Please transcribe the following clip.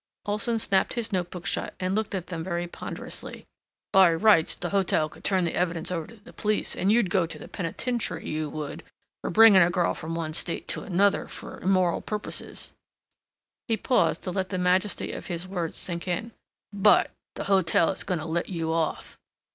Olson snapped his note book shut and looked at them very ponderously. "By rights the hotel could turn the evidence over to the police and you'd go to penitentiary, you would, for bringin' a girl from one State to 'nother f'r immoral purp'ses—" He paused to let the majesty of his words sink in. "But—the hotel is going to let you off."